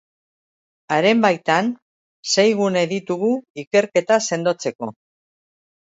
Haren baitan, sei gune ditugu ikerketa sendotzeko.